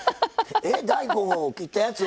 え大根を切ったやつを。